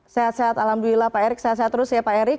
sehat sehat alhamdulillah pak erik sehat sehat terus ya pak erick